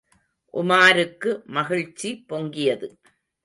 உமாருக்கு மகிழ்ச்சி பொங்கியது.